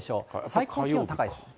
最高気温高いです。